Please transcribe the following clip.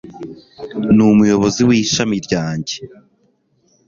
Ni umuyobozi w'ishami ryanjye.